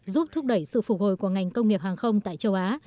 giúp thúc đẩy sự phục hồi của ngành công nghiệp hàng không tại châu á